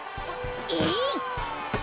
えい！